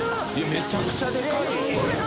めちゃくちゃでかいよこれ何？